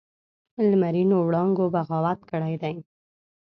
لمرینو وړانګو بغاوت کړی دی